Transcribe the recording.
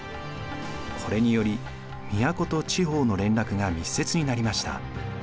これにより都と地方の連絡が密接になりました。